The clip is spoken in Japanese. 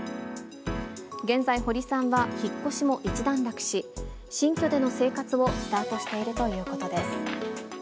現在、堀さんは引っ越しも一段落し、新居での生活をスタートしているということです。